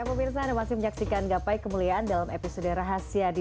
pemirsa anda masih menyaksikan gapai kemuliaan dalam episode rahasia di